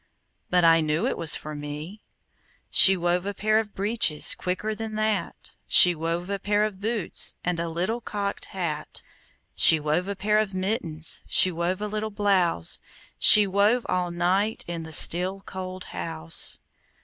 But I knew it was for me. She wove a pair of breeches Quicker than that! She wove a pair of boots And a little cocked hat. She wove a pair of mittens, She wove a little blouse, She wove all night In the still, cold house.